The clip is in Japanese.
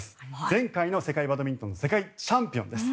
全開の世界バドミントンの世界チャンピオンです。